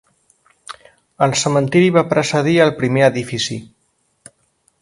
El cementiri va precedir el primer edifici.